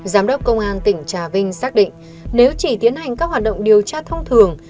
giám đốc công an tỉnh trà vinh xác định nếu chỉ tiến hành các hoạt động điều tra thông thường